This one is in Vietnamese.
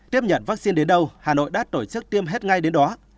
tiếp nhận vaccine đến đâu hà nội đã tổ chức tiêm hết ngay đến đó